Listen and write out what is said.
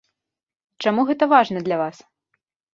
Чаму гэта важна для вас?